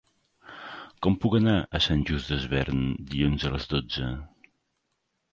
Com puc anar a Sant Just Desvern dilluns a les dotze?